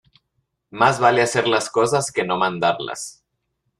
Más vale hacer las cosas que no mandarlas.